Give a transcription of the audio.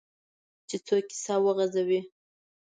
چې څوک کیسه وغځوي.